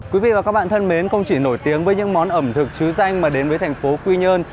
quý vị và các bạn thân mến không chỉ nổi tiếng với những món ẩm thực trứ danh mà đến với thành phố quy nhơn